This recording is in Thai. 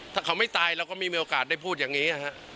ถ้าเขาไม่ตายเราก็ไม่มีโอกาสได้พูดอย่างนี้